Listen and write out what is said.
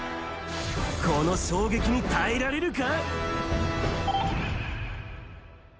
この衝撃に耐えられるか？